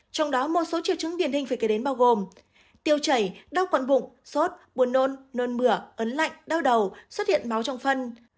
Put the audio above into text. trong đó một số triệu chứng điển hình phải kể đến bao gồm tiêu chảy đau quật bụng sốt buồn nôn nôn mửa ấn lạnh đau đầu xuất hiện máu trong phân